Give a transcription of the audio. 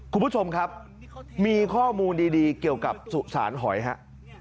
คุณผู้ชมครับมีข้อมูลดีเกี่ยวกับสุสานหอยครับ